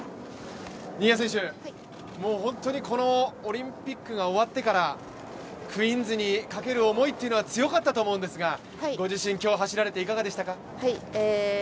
新谷選手、本当にこのオリンピックが終わってからクイーンズにかける思いは強かったと思うんですが、ご自身、今日走られていかがでしたか。